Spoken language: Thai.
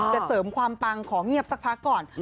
เสริมความปังขอเงียบสักพักก่อน